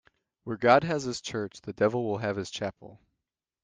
Where God has his church, the devil will have his chapel.